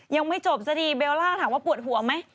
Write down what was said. ยังไม่จบซะดีเบลล่าถามว่าปวดหัวไหม